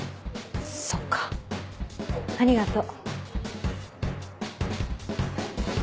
そっかありがとう。